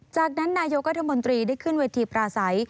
จากนั้นนายกรัฐมนตรีได้ขึ้นเวทีปราศัย